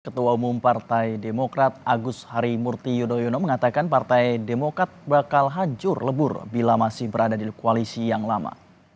ketua umum partai demokrat agus harimurti yudhoyono mengatakan partai demokrat bakal hancur lebur bila masih berada di koalisi yang lama